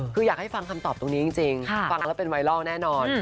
คืออยากให้ฟังคำตอบตรงนี้จริงฟังแล้วเป็นไวรัลแน่นอน